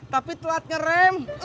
tapi telat ngerem